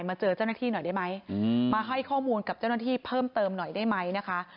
เจอเจ้าหน้าที่หน่อยได้ไหมมาให้ข้อมูลกับเจ้าหน้าที่เพิ่มเติมหน่อยได้ไหมนะคะ